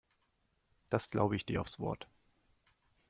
Das glaube ich dir aufs Wort.